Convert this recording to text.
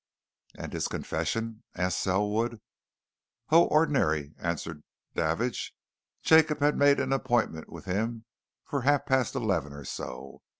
"And his confession?" asked Selwood. "Oh! ordinary," answered Davidge. "Jacob had made an appointment with him for half past eleven or so.